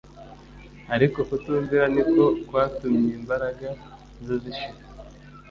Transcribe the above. Ariko kutumvira ni ko kwatumyimbaraga ze zishira